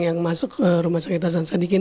yang masuk ke rumah sakit hasan sadikin